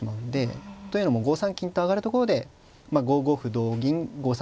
というのも５三金と上がるところで５五歩同銀５三